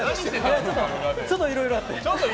ちょっといろいろあって。